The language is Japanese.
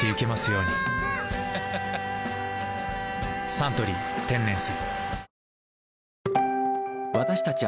「サントリー天然水」